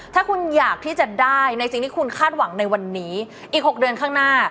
ถ้าคุณอยากที่จะได้ในสิ่งที่คุณคาดหวังในวันนี้อีก๖เดือนข้างหน้า